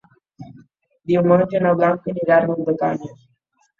Diumenge na Blanca anirà a Riudecanyes.